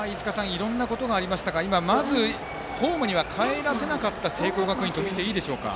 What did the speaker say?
いろんなことがありましたが今、まずはホームにはかえらせなかったとみていいでしょうか。